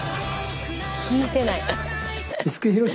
聴いてない。